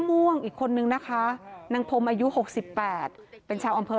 ม่วงอีกคนนึงนะคะนางพมอายุหกสิบแปดเป็นชาวอำเพอร์